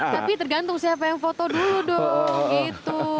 tapi tergantung siapa yang foto dulu dong gitu